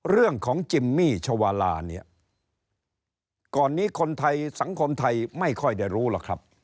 เรื่องของจิมมี่ชวาลาเนี่ยก่อนนี้คนไทยสังคมไทยไม่ค่อยได้รู้หรอกครับ